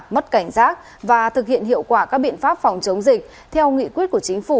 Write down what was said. mất cảnh giác và thực hiện hiệu quả các biện pháp phòng chống dịch theo nghị quyết của chính phủ